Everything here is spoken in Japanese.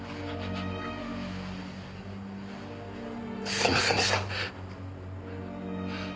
すみませんでした。